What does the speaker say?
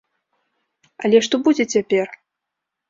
Але што будзе цяпер?